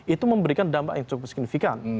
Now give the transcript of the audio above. itu memberikan dampak yang cukup signifikan